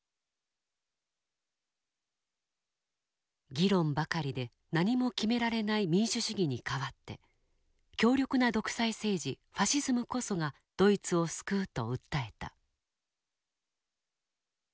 議論ばかりで何も決められない民主主義に代わって強力な独裁政治ファシズムこそがドイツを救うと訴えた。